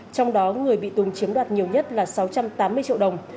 trong đó người bị tùng chiếm đoạt nhiều nhất là sáu trăm tám mươi triệu đồng